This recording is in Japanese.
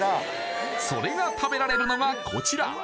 それが食べられるのがこちら！